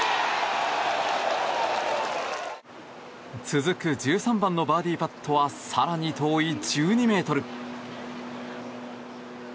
続く１３番のバーディーパットは更に遠い１２ｍ。